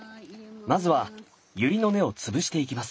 まずはユリの根を潰していきます。